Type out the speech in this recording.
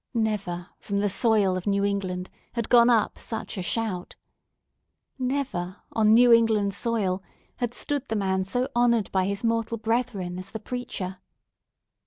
Never, from the soil of New England had gone up such a shout! Never, on New England soil had stood the man so honoured by his mortal brethren as the preacher!